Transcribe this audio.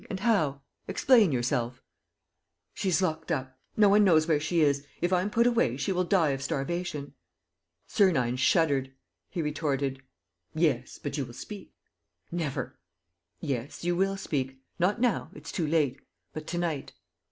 And how? ... Explain yourself." "She is locked up. No one knows where she is. If I'm put away, she will die of starvation." Sernine shuddered. He retorted: "Yes, but you will speak." "Never!" "Yes, you will speak. Not now; it's too late. But to night."